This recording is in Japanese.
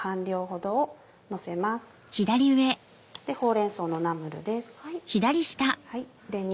ほうれん草のナムルです。